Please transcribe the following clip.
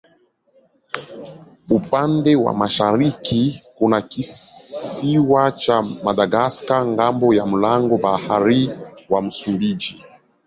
Upande wa mashariki kuna kisiwa cha Madagaska ng'ambo ya mlango bahari wa Msumbiji.